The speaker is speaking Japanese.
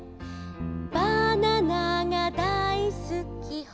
「バナナがだいすきほんとだよ」